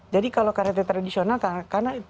jadi kalau karate tradisional karena tidak berlatih